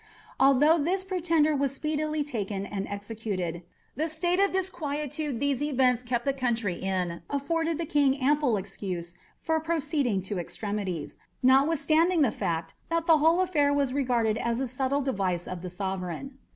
Although this pretender was speedily taken and executed, the state of disquietude these events kept the country in afforded the King ample excuse for proceeding to extremities, notwithstanding the fact that the whole affair was regarded as a subtle device of the Sovereign.